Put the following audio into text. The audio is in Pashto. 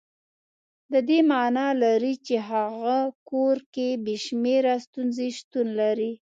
د دې معنا لري چې هغه کور کې بې شمېره ستونزې شتون لري.